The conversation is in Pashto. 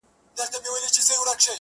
په خوب ويده، يو داسې بله هم سته